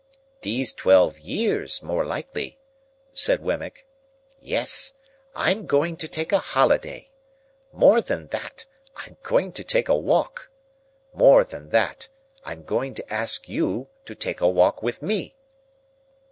"These twelve years, more likely," said Wemmick. "Yes. I'm going to take a holiday. More than that; I'm going to take a walk. More than that; I'm going to ask you to take a walk with me."